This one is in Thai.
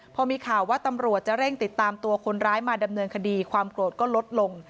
พอมีข่าวว่าตำรวจจะเร่งติดตามตัวคนร้ายมาดำเนินคดีความโกรธก็ลดลง